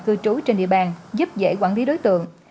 cư trú trên địa bàn giúp dễ quản lý đối tượng